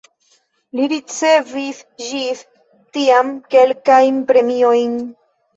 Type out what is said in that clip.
Li ricevis ĝis tiam kelkajn premiojn.